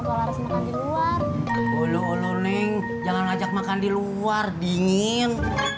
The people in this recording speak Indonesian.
atau laras makan di luar ulu ulu neng jangan ajak makan di luar dingin